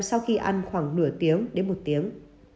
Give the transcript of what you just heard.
sau khi ăn khoảng nửa tiếng đến một tiếng